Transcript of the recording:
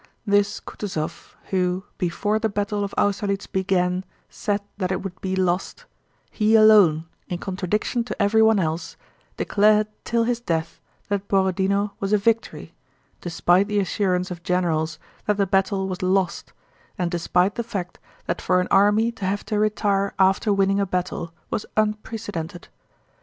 This Kutúzov who before the battle of Austerlitz began said that it would be lost, he alone, in contradiction to everyone else, declared till his death that Borodinó was a victory, despite the assurance of generals that the battle was lost and despite the fact that for an army to have to retire after winning a battle was unprecedented.